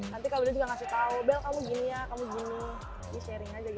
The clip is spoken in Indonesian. nanti kalau udah juga ngasih tau bel kamu gini ya kamu gini di sharing aja gitu